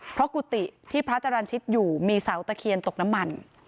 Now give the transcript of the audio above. เพราะกุฏิที่พระจรรย์ชิตอยู่มีเสาตะเคียนตกน้ำมัน